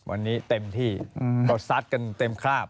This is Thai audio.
อันนี้เต็มที่ก็ซัดเต็มคราบ